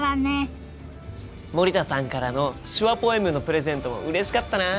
森田さんからの手話ポエムのプレゼントもうれしかったな。